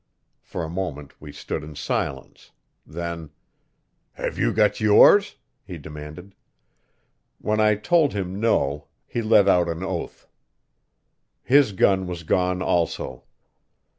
For a moment we stood in silence; then: "Have you got yours?" he demanded. When I told him no he let out an oath. His gun was gone, also.